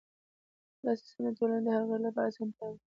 دا سیستم د ټولنې د هر غړي لپاره اسانتیا ده.